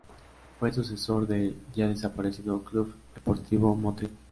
Fue el sucesor del ya desaparecido Club Deportivo Motril.